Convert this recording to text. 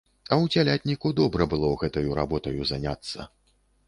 А ў цялятніку добра было гэтаю работаю заняцца.